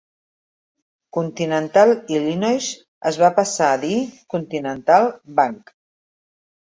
Continental Illinois es va passar a dir Continental Bank.